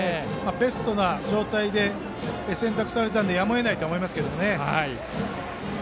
ベストな状態で選択されたのでやむを得ないとは思います。